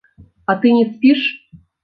А ты не спіш?